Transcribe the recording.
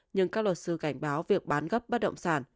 nhưng các luật sư cảnh báo việc bán gấp bất động sản